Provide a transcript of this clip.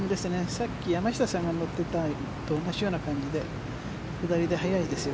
さっき山下さんが乗っていたのと同じような感じで下りで速いですよ。